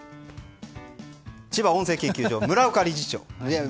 千葉音声研究所の村岡代表理事。